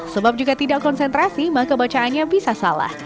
sebab jika tidak konsentrasi maka bacaannya bisa salah